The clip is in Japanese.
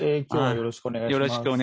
よろしくお願いします。